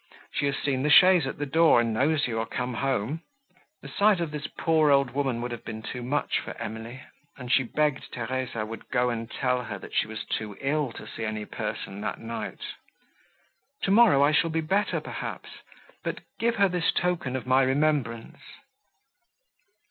She has seen the chaise at the door, and knows you are come home." The sight of this poor old woman would have been too much for Emily, and she begged Theresa would go and tell her, that she was too ill to see any person that night. "Tomorrow I shall be better, perhaps; but give her this token of my remembrance."